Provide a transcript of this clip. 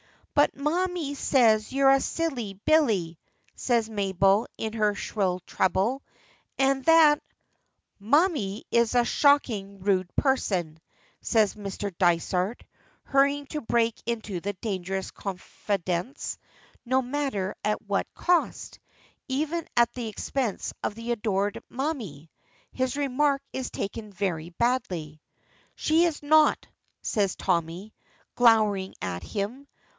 "But mammy says you're a silly Billy," says Mabel in her shrill treble, "an' that " "Mammy is a shockingly rude person," says Mr. Dysart, hurrying to break into the dangerous confidence, no matter at what cost, even at the expense of the adored mammy. His remark is taken very badly. "She's not," says Tommy, glowering at him.